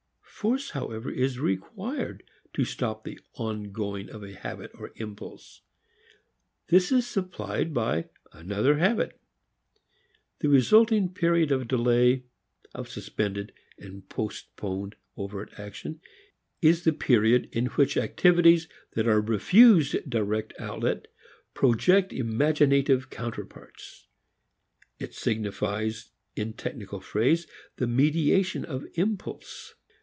Force, however, is required to stop the ongoing of a habit or impulse. This is supplied by another habit. The resulting period of delay, of suspended and postponed overt action, is the period in which activities that are refused direct outlet project imaginative counterparts. It signifies, in technical phrase, the mediation of impulse.